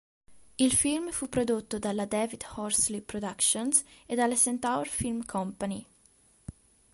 Il film fu prodotto dalla David Horsley Productions e dalla Centaur Film Company.